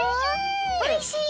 おいしい！